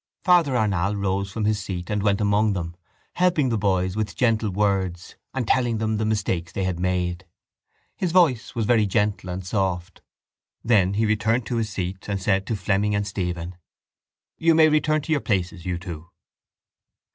Father Arnall rose from his seat and went among them, helping the boys with gentle words and telling them the mistakes they had made. His voice was very gentle and soft. Then he returned to his seat and said to Fleming and Stephen: —You may return to your places, you two.